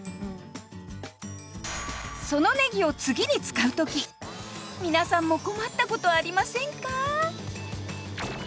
そのねぎを次に使う時皆さんも困った事ありませんか？